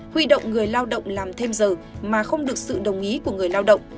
huy động người lao động làm thêm giờ mà không được sự đồng ý của người lao động